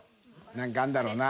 何かあんだろうな？